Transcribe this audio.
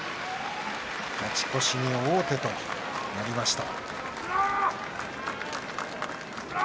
勝ち越しに王手となりました。